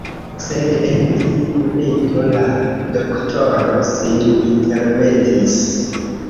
Sed en tiu momento la doktoro sin intermetis.